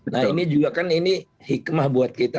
nah ini juga kan ini hikmah buat kita